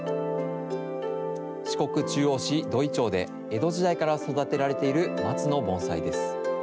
四国中央市土居町で、江戸時代から育てられている松の盆栽です。